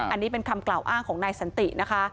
อันนี้เป็นคำกล่าวอ้างของนายสันตินะคะ